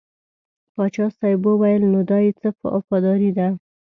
پاچا صاحب وویل نو دا یې څه وفاداري ده.